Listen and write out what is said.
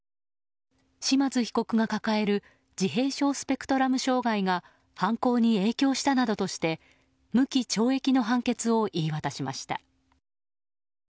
島津被告が抱える自閉症スペクトラム障害が犯行に影響したなどとして無期懲役の判決を言い渡しました。